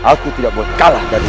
aku tidak boleh kalah dari